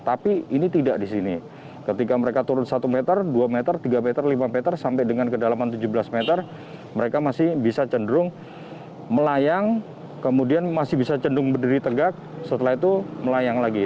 tapi ini tidak di sini ketika mereka turun satu meter dua meter tiga meter lima meter sampai dengan kedalaman tujuh belas meter mereka masih bisa cenderung melayang kemudian masih bisa cenderung berdiri tegak setelah itu melayang lagi